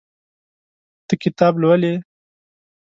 ته کتاب لولې.